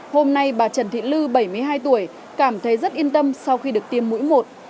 hôm nay bà trần thị lư bảy mươi hai tuổi cảm thấy rất yên tâm sau khi được tiêm mũi một